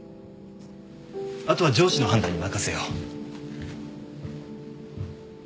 後は上司の判断に任せよう。